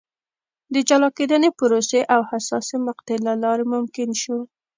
د جلا کېدنې پروسې او حساسې مقطعې له لارې ممکن شو.